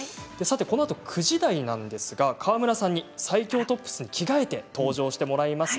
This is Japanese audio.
このあと９時台ですが川村さんに最強トップスに着替えて登場していただきます。